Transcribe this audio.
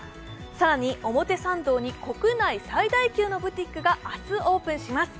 更に表参道に国内最大級のブティックが明日、オープンします。